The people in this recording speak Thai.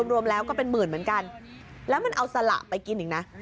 รวมแล้วก็เป็นหมื่นเหมือนกันแล้วมันเอาสละไปกินอีกนะ